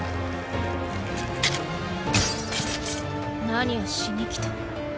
何をしに来た。